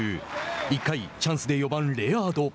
１回、チャンスで４番レアード。